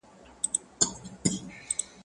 چي هر لوري ته یې واچول لاسونه.